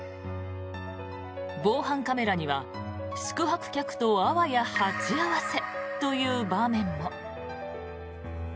防犯カメラには宿泊客とあわや鉢合わせという場面も。